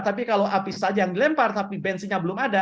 tapi kalau api saja yang dilempar tapi bensinnya belum ada